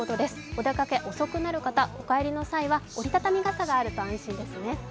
お出かけ、遅くなる方、お帰りの際は折りたたみ傘があると安心ですね。